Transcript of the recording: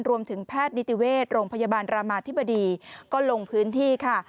แพทย์นิติเวชโรงพยาบาลรามาธิบดีก็ลงพื้นที่ค่ะ